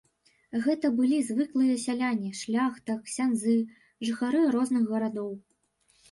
Гэта былі звыклыя сяляне, шляхта, ксяндзы, жыхары розных гарадоў.